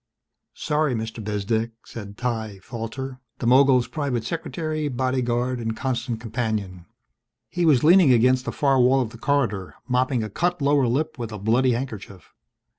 _" "Sorry, Mr. Bezdek," said Ty Falter, the mogul's private secretary, bodyguard and constant companion. He was leaning against the far wall of the corridor, mopping a cut lower lip with a bloody handkerchief.